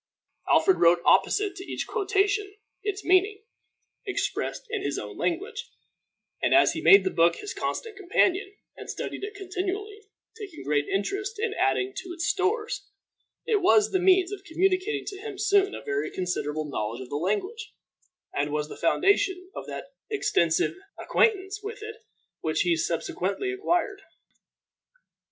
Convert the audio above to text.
Alfred wrote opposite to each quotation its meaning, expressed in his own language; and as he made the book his constant companion, and studied it continually, taking great interest in adding to its stores, it was the means of communicating to him soon a very considerable knowledge of the language, and was the foundation of that extensive acquaintance with it which he subsequently acquired.